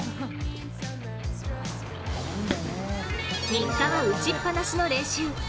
日課は打ちっぱなしの練習。